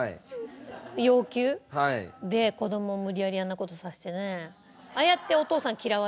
要求で子どもを無理やりあんな事させてね。